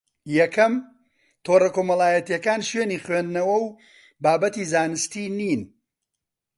یەکەم: تۆڕە کۆمەڵایەتییەکان شوێنی خوێندنەوە و بابەتی زانستی نین